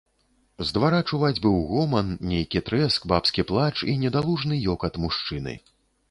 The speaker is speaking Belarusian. З двара чуваць быў гоман, нейкі трэск, бабскі плач і недалужны ёкат мужчыны.